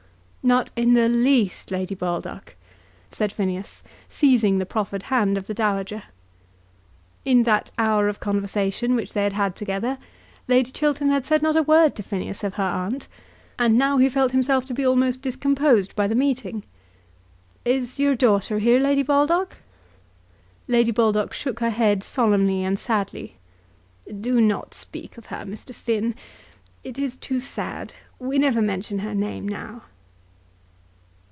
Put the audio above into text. "Not in the least, Lady Baldock," said Phineas, seizing the proffered hand of the dowager. In that hour of conversation, which they had had together, Lady Chiltern had said not a word to Phineas of her aunt, and now he felt himself to be almost discomposed by the meeting. "Is your daughter here, Lady Baldock?" Lady Baldock shook her head solemnly and sadly. "Do not speak of her, Mr. Finn. It is too sad! We never mention her name now."